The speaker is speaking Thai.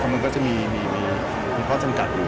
มันก็จะมีข้อจำกัดอยู่